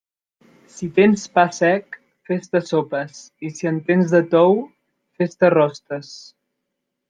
Si tens pa sec, fes-te sopes, i si en tens de tou, fes-te rostes.